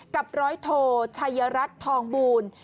กับรอยโถชัยรัตธ์ทองบูรณ์